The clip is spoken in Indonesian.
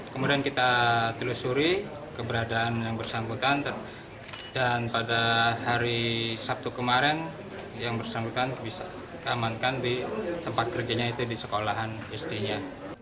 kemudian kita telusuri keberadaan yang bersangkutan dan pada hari sabtu kemarin yang bersangkutan bisa amankan di tempat kerjanya itu di sekolahan sd nya